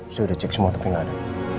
saya udah cek semua tapi gak ada